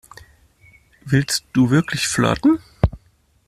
Willst du wirklich flirten?